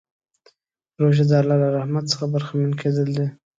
روژه د الله له رحمت څخه برخمن کېدل دي.